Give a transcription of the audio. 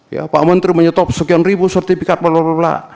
ya pak menteri menyetop sekian ribu sertifikat pengelola